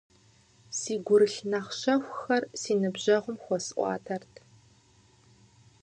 Си гурылъ нэхъ щэхухэр си ныбжьэгъум хуэсӏуатэрт.